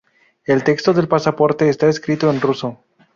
El texto del pasaporte está escrito en ruso.